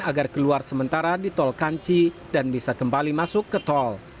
agar keluar sementara di tol kanci dan bisa kembali masuk ke tol